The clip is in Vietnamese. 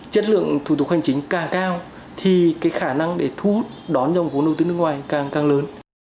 chất lượng thủ tục hoàn chính càng cao thì khả năng để thu hút đón dòng vốn đầu tư nước ngoài càng lớn